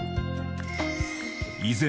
依然